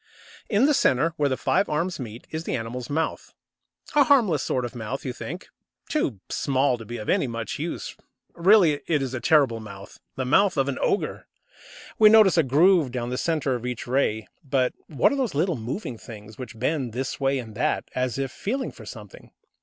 In the centre, where the five arms meet, is the animal's mouth. A harmless sort of mouth, you think, too small to be of much use. Really, it is a terrible mouth, the mouth of an ogre! We notice a groove down the centre of each ray. But what are those little moving things which bend this way and that, as if feeling for something?